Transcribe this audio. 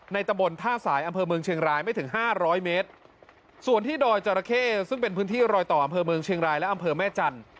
ตะบนท่าสายอำเภอเมืองเชียงรายไม่ถึงห้าร้อยเมตรส่วนที่ดอยจราเข้ซึ่งเป็นพื้นที่รอยต่ออำเภอเมืองเชียงรายและอำเภอแม่จันทร์